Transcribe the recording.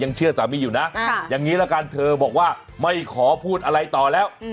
เชื่อสามีอยู่นะอย่างนี้ละกันเธอบอกว่าไม่ขอพูดอะไรต่อแล้ว